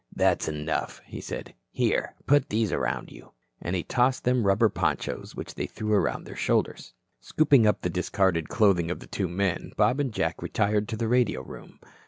"That's enough," he said. "Here put these around you." And he tossed them rubber ponchos which they threw around their shoulders. Scooping up the discarded clothing of the two men, Bob and Jack retired to the radio room.